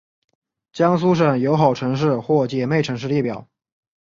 江苏省友好城市或姐妹城市列表